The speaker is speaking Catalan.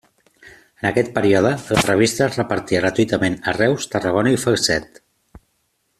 En aquest període la revista es repartia gratuïtament a Reus, Tarragona i Falset.